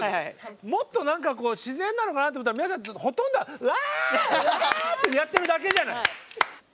もっと何かこう自然なのかなと思ったら皆さんほとんどうわわあってやってるだけじゃない。